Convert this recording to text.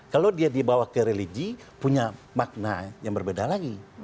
kalau dia dibawa ke religi punya makna yang berbeda lagi